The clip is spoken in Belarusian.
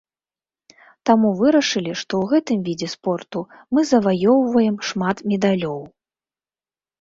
Таму вырашылі, што ў гэтым відзе спорту мы заваёўваем шмат медалёў.